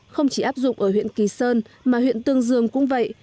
không chỉ áp dụng ở huyện kỳ sơn mà huyện tương dương cũng vậy